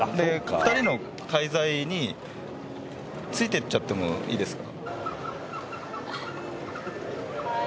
２人の滞在についてっちゃってもいいですか？